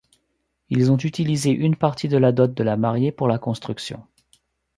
Ils ont utilisé une partie de la dot de la mariée pour la construction.